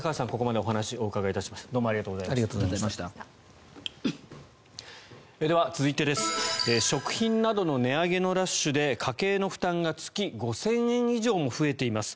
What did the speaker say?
では、続いて食品などの値上げのラッシュで家計の負担が月５０００円以上も増えています。